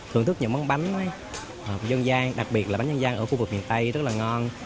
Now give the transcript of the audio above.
thưởng thức những món bánh dân gian đặc biệt là bánh dân gian ở khu vực miền tây rất là ngon